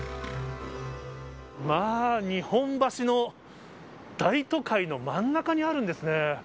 まあ、日本橋の大都会の真ん中にあるんですね。